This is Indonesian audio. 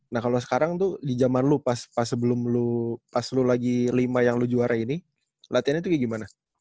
nah kalo sekarang tuh di jaman lu pas sebelum lu pas lu lagi lima yang lu juara ini latihan itu kayak gimana